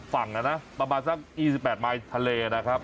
ฝั่งนะนะประมาณสักยี่สิบแปดไมล์ทะเลนะครับ